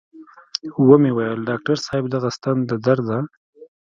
و مې ويل ډاکتر صاحب دغه ستن د درد ده.